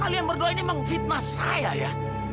kalian berdua ini mengfitnah saya ya